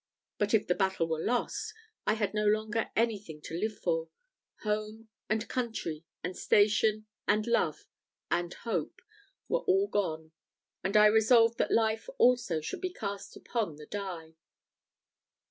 But if the battle were lost, I had no longer anything to live for; home and country, and station, and love, and hope, were all gone; and I resolved that life also should be cast upon the die.